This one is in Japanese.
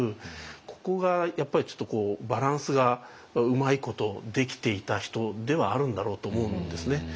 ここがやっぱりちょっとバランスがうまいことできていた人ではあるんだろうと思うんですね。